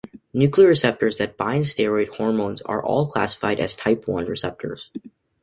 Nuclear receptors that bind steroid hormones are all classified as type one receptors.